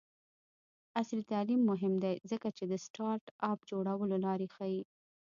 عصري تعلیم مهم دی ځکه چې د سټارټ اپ جوړولو لارې ښيي.